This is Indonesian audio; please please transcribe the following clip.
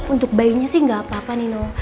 untuk bayinya sih gak apa apa nino